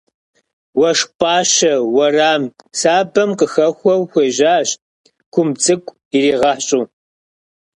Уэшх пӏащэ уэрам сабэм къыхэхуэу хуежьащ, кумб цӏыкӏу иригъэщӏу.